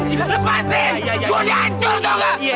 gue dihancur tau gak